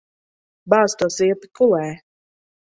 Bāz to svilpi kulē.